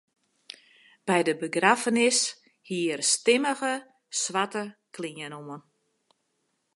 By de begraffenis hie er stimmige swarte klean oan.